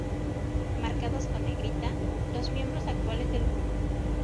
Marcados con negrita, los miembros actuales del grupo.